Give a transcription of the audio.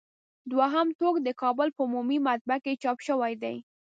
دوهم ټوک د کابل په عمومي مطبعه کې چاپ شوی دی.